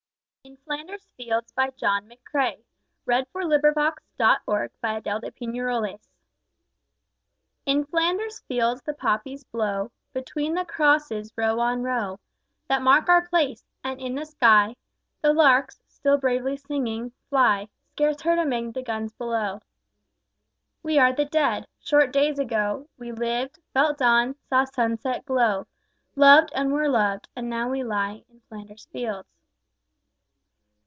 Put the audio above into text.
tion also to show that I'm not the only one who forgets lines. A. L.} IN FLANDERS FIELDS In Flanders fields the poppies grow Between the crosses, row on row That mark our place: and in the sky The larks still bravely singing, fly Scarce heard amid the guns below. We are the Dead. Short days ago We lived, felt dawn, saw sunset glow, Loved, and were loved, and now we lie In Flanders fields.